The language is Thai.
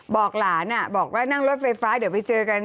บอกหลานบอกว่านั่งรถไฟฟ้าเดี๋ยวไปเจอกัน